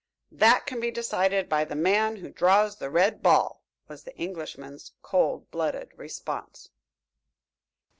"That can be decided by the man who draws the red ball," was the Englishman's cold blooded response.